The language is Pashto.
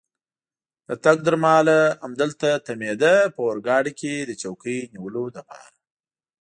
د تګ تر مهاله همدلته تمېده، په اورګاډي کې د چوکۍ نیولو لپاره.